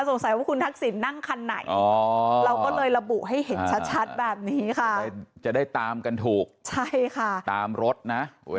สงสัยว่าคุณทักษิณนั่งคันไหน